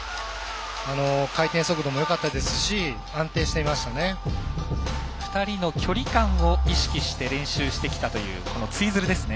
回転速度もよかったですし２人の距離感を意識して練習してきたというツイズルですね。